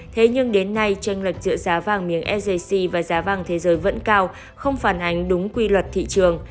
tuy nhiên đến nay tranh lệch giữa giá vàng miếng sgc và giá vàng thế giới vẫn cao không phản ánh đúng quy luật thị trường